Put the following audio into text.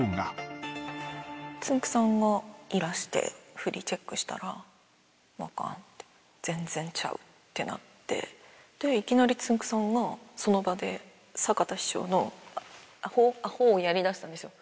つんく♂さんがいらして、振りチェックしたら、あかんって。全然ちゃうってなって、で、いきなりつんく♂さんがその場で坂田師匠のアホーアホーをやり出したんですよ。